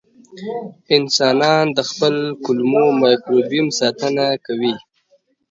انسانان د خپل کولمو مایکروبیوم ساتنه کوي.